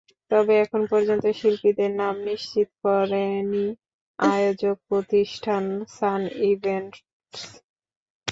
তবে এখন পর্যন্ত শিল্পীদের নাম নিশ্চিত করেনি আয়োজক প্রতিষ্ঠান সান ইভেন্টস।